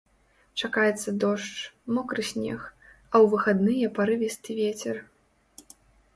Чакаецца дождж, мокры снег, а ў выхадныя парывісты вецер.